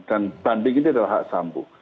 dan banding ini adalah hak sambu